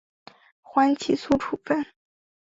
缓起诉处分。